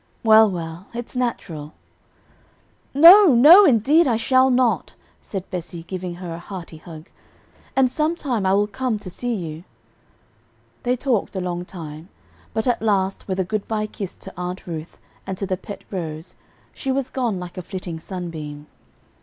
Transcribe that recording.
Well, well, it's natural." [Illustration: "Yes, child, I will keep your rose."] "No, no, indeed I shall not," said Bessie, giving her a hearty hug, "and sometime I will come to see you." They talked a long time, but at last, with a good by kiss to Aunt Ruth, and to the pet rose, she was gone like a flitting sunbeam.